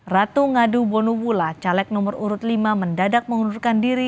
ratu ngadu bonubula caleg nomor urut lima mendadak mengundurkan diri